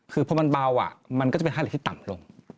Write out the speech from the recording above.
คือพอมันเบามันก็จะเป็นค่าเหล็กที่ต่ำลง